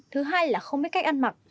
thứ hai là không biết cách ăn mặc